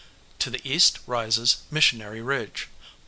To the east rises Missionary Ridge.